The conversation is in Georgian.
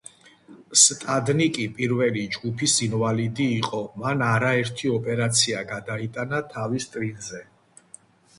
სტადნიკი პირველი ჯგუფის ინვალიდი იყო, მან არაერთი ოპერაცია გადაიტანა თავის ტვინზე.